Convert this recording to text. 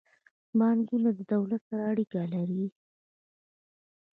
بانکونه د دولت سره څه اړیکه لري؟